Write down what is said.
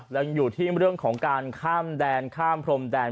ยังอยู่ที่เรื่องของการข้ามแดนข้ามพรมแดน